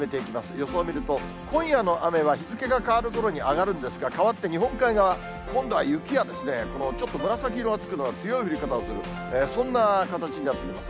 予想を見ると、今夜の雨は日付が変わるころに上がるんですが、かわって日本海側、今度は雪ですね、このちょっと紫色がつくのは、強い降り方をする、そんな形になってきます。